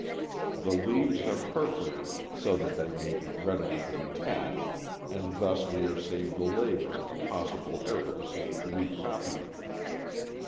The leaves are perforated so that they may be readily detached, and thus we are saved the labor and the possible errors of recopying.